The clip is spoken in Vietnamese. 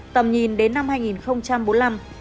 tầm nhìn đến năm hai nghìn bốn mươi năm